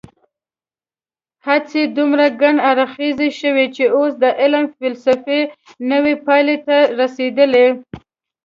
هڅې دومره ګڼ اړخیزې شوي چې اوس د علم فېلسوفي نوې پایلې ته رسېدلې.